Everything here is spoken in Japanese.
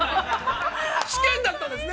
◆試験だったんですね。